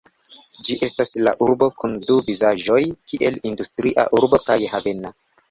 Ĝi estas la urbo kun du vizaĝoj kiel industria urbo kaj havena.